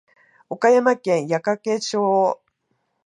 岡山県矢掛町